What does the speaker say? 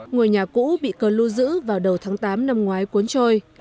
người nhà cũ bị cơn lưu giữ vào đầu tháng tám năm ngoái cuốn trôi